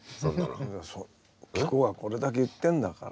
希子がこれだけ言ってんだから。